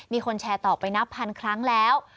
มีคนแชร์ต่อไปนับพันครั้งแล้ว